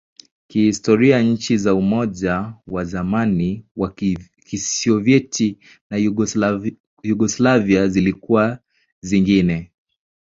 Kihistoria, nchi za Umoja wa zamani wa Kisovyeti na Yugoslavia zilikuwa zingine.